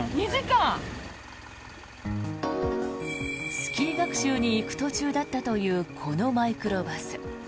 スキー学習に行く途中だったというこのマイクロバス。